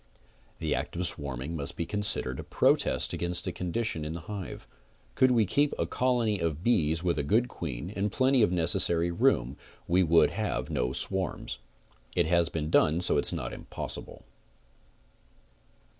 The act of swarming must be considered a protest against a condition in the hive. Could we keep a colony of bees with a good queen, and plenty of necessary. room, we would have no swarms. It has been done, so it is not impossible.